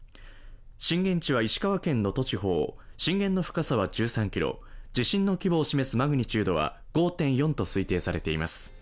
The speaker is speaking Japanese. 震源地は石川県能登地方、震源の深さは１３ｋｍ、地震の規模を示すマグニチュードは５．４と推定されています。